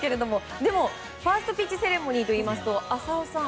でも、ファーストピッチセレモニーといいますと浅尾さん